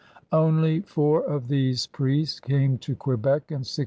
Only four of these priests came to Quebec in 1625.